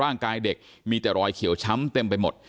ร่างกายเด็กมีแต่รอยเขียวช้ำเต็มไปหมด